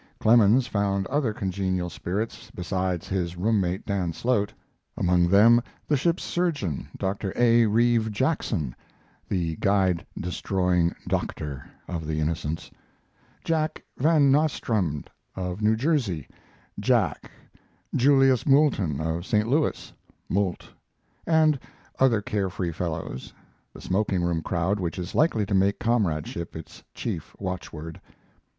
Clemens found other congenial spirits be sides his room mate Dan Slote among them the ship's surgeon, Dr. A. Reeve Jackson (the guide destroying "Doctor" of The Innocents); Jack Van Nostrand, of New Jersey ("Jack"); Julius Moulton, of St. Louis ("Moult"), and other care free fellows, the smoking room crowd which is likely to make comradeship its chief watchword.